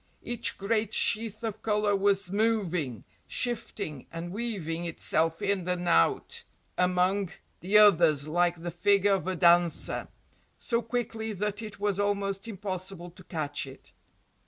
Each great sheath of colour was moving, shifting and weaving itself in and out among the others like the figure of a dancer, so quickly that it was almost impossible to catch it.